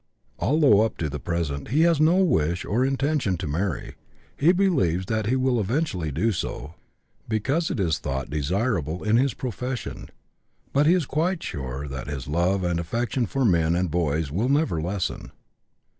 Although up to the present he has no wish or intention to marry, he believes that he will eventually do so, because it is thought desirable in his profession; but he is quite sure that his love and affection for men and boys will never lessen.